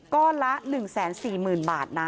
ก้อนละ๑๔๐๐๐๐บาทนะ